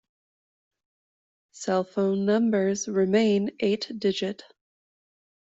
Cell phone numbers remain eight-digit.